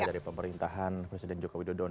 dari pemerintahan presiden jokowi dodo